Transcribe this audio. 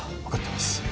分かってます。